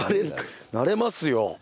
なれますよ！